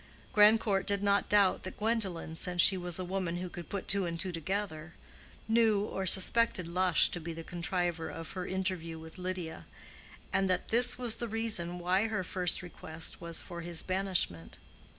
Grandcourt did not doubt that Gwendolen, since she was a woman who could put two and two together, knew or suspected Lush to be the contriver of her interview with Lydia, and that this was the reason why her first request was for his banishment.